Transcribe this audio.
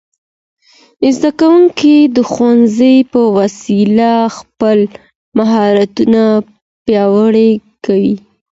زدهکوونکي د ښوونځي په واسطه خپل مهارتونه پیاوړي کوي.